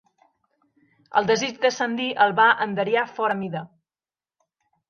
El desig d'ascendir el va enderiar fora mida.